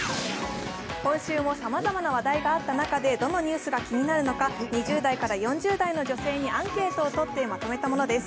今週もさまざまな話題があった中でどのニュースが気になるのか２０代から４０代の女性にアンケートを取ってまとめたものです。